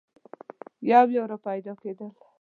یو یو را پیدا کېدل.